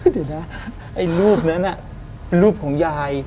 เดี๋ยวนะไอ้รูปนั้นรูปของยาย